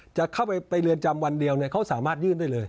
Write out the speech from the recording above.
จะเข้าไปเรือนจำวันเดียวเขาสามารถยื่นได้เลย